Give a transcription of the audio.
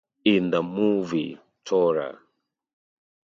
In the movie Tora!